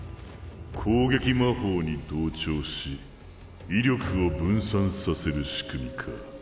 攻撃魔法に同調し威力を分散させる仕組みか。